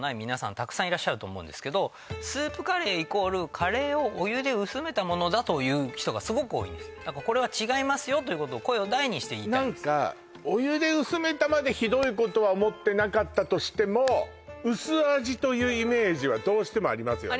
たくさんいらっしゃると思うんですけどスープカレー＝カレーをお湯で薄めたものだという人がすごく多いんですこれは違いますよということを声を大にして言いたいですねお湯で薄めたまでひどいことは思ってなかったとしてもどうしてもありますよね